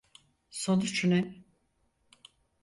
Sonuç ne?